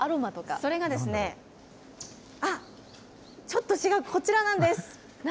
それが、あっ、ちょっと違う、こちらなんです。